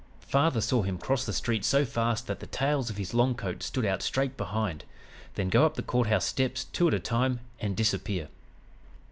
"Father saw him cross the street so fast that the tails of his long coat stood out straight behind; then go up the Court House steps, two at a time, and disappear.